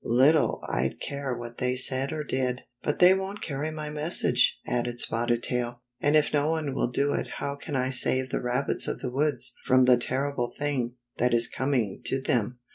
Little I'd care what they said or did." "But they won't carry my message," added Spotted Tail. "And if no one will do it how can I save the rabbits of the woods from the ter rible thing that is coming to them?